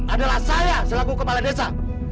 adalah saya selaku kepala desa